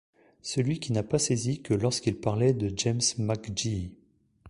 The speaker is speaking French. Celui qui n’a pas saisi que lorsqu’il parlait de James Mc Jeey